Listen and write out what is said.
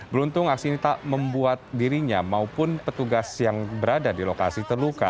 beruntung aksi ini tak membuat dirinya maupun petugas yang berada di lokasi terluka